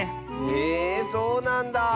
えそうなんだ！